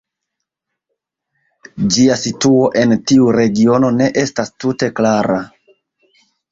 Ĝia situo en tiu regiono ne estas tute klara.